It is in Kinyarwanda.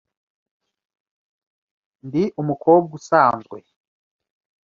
Ndi umukobwa usanzwe.